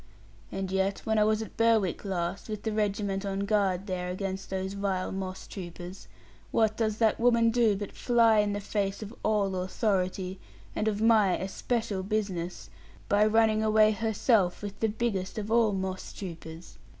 And yet when I was at Berwick last, with the regiment on guard there against those vile moss troopers, what does that woman do but fly in the face of all authority, and of my especial business, by running away herself with the biggest of all moss troopers?